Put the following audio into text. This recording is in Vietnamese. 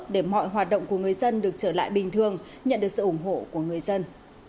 để mọi hoạt động của người dân được trở lại bình thường nhận được sự ủng hộ của người dân